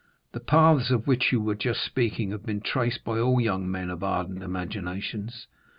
"The paths of which you were just speaking have been traced by all young men of ardent imaginations.